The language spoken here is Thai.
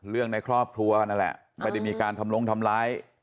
ในครอบครัวนั่นแหละไม่ได้มีการทำลงทำร้าย